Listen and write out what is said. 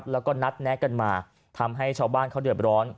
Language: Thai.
แล้วก็นัดแนะกันมาทำให้ชาวบ้านเขาเดือดร้อน